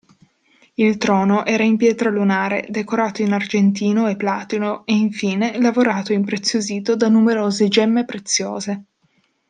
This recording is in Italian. Il trono era in pietra lunare, decorato in argentino e platino e, infine, lavorato e impreziosito da numerose gemme preziose.